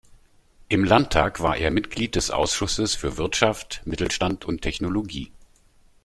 Im Landtag war er Mitglied des Ausschusses für Wirtschaft, Mittelstand und Technologie.